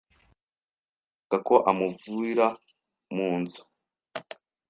Papa we ashaka ko amuvira mu nzu,